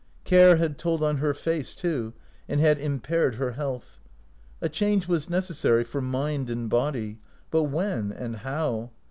Care had told on her face, too, and had impaired her health. A change was necessary for mind and body ; but when, and how?